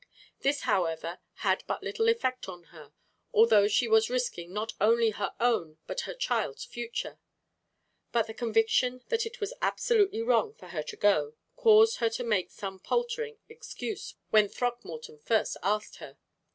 This, however, had but little effect on her, although she was risking not only her own but her child's future; but the conviction that it was absolutely wrong for her to go, caused her to make some paltering excuse when Throckmorton first asked her.